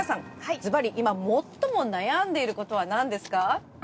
ズバリ今最も悩んでいることは何ですか？